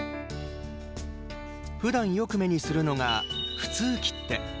ふだんよく目にするのが普通切手。